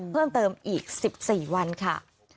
เพิ่มเติมอีก๑๔วันค่ะ